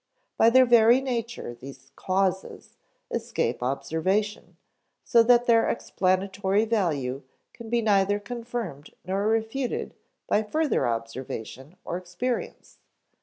By their very nature, these "causes" escape observation, so that their explanatory value can be neither confirmed nor refuted by further observation or experience.